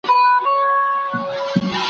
ذوالقافیتین ,